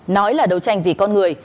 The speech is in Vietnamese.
nói là đấu tranh vì con người